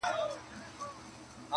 پر غوږونو ښې لګېږي او خوږې دي!.